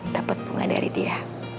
dapet bunga dari dia